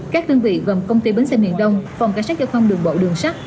các đơn vị gồm công ty bến xe miền đông phòng cảnh sát giao thông đường bộ đường sắt